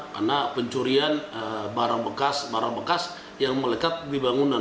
karena pencurian barang bekas barang bekas yang melekat di bangunan